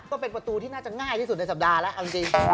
ก็เป็นประตูที่น่าจะง่ายที่สุดในสัปดาห์แล้วเอาจริง